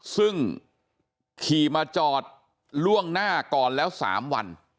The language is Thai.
ซึ่งขี่มาจอดล่วงหน้าก่อนแล้ว๓วัน